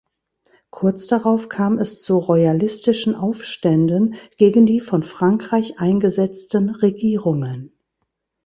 Kurz darauf kam es zu royalistischen Aufständen gegen die von Frankreich eingesetzten Regierungen.